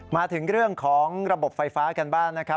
มาถึงเรื่องของระบบไฟฟ้ากันบ้างนะครับ